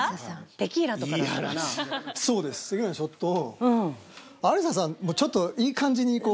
テキーラのショットをありささんもちょっと、いい感じに、こう。